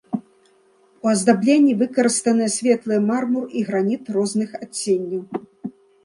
У аздабленні выкарыстаныя светлыя мармур і граніт розных адценняў.